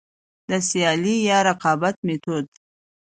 د سيالي يا رقابت ميتود: